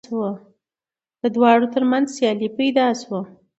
د دواړو تر منځ سیالي پیدا شوه